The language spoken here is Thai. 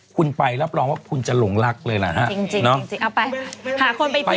คุณไปรับรองว่าคุณจะหลงรักเลยล่ะฮะจริงเอาไปหาคนไปเที่ยว